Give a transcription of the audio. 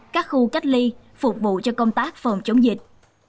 các khu cách ly phục vụ cho công tác phòng chống dịch